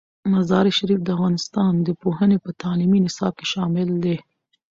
مزارشریف د افغانستان د پوهنې په تعلیمي نصاب کې شامل دی.